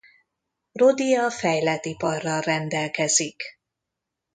Rodia fejlett iparral rendelkezik.